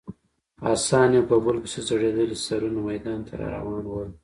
اسان یو په بل پسې ځړېدلي سرونه میدان ته راروان ول.